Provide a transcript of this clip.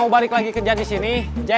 terima kasih tang